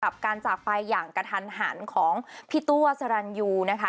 กับการจากไปอย่างกระทันหันของพี่ตัวสรรยูนะคะ